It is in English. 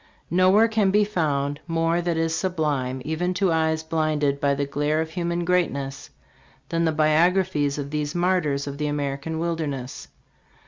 Nowhere can be found '' more that is sublime even to eyes blinded by the glare of human greatness '' than in the biographies of these martyrs of the American wilderness.